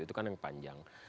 itu kan yang panjang